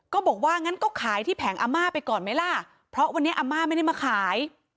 ก็บอกว่างั้นก็ขายที่แผงอาม่าไปก่อนไหมล่ะเพราะวันนี้อาม่าไม่ได้มาขาย